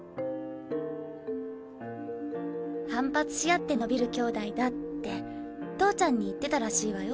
反発しあって伸びる兄弟だって投ちゃんに言ってたらしいわよ。